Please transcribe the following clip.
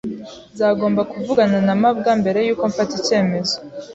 Nzagomba kuvugana na mabwa mbere yuko mfata icyemezo.